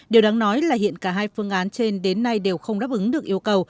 điều đáng nói là hiện cả hai phương án trên đến nay đều không đáp ứng được yêu cầu